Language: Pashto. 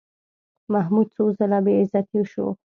محمود څو ځله بېعزتي شو.